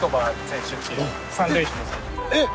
えっ？